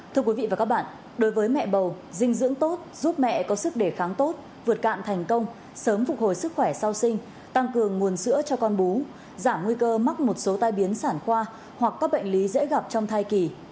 thưa quý vị và các bạn đối với mẹ bầu dinh dưỡng tốt giúp mẹ có sức đề kháng tốt vượt cạn thành công sớm phục hồi sức khỏe sau sinh tăng cường nguồn sữa cho con bú giảm nguy cơ mắc một số tai biến sản khoa hoặc các bệnh lý dễ gặp trong thai kỳ